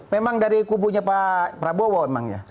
memang dari kubunya pak prabowo emangnya